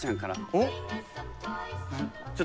おっ。